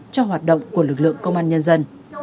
cho hoạt động của lực lượng công an nhân dân